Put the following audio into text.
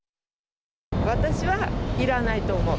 私はいらないと思う。